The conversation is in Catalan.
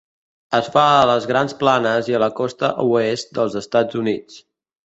Es fa a les Grans Planes i a la costa oest dels Estats Units.